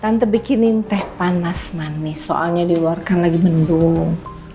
tante bikinin teh panas manis soalnya diluarkan lagi mendung